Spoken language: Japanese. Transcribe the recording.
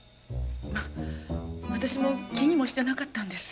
まっ私も気にもしてなかったんです。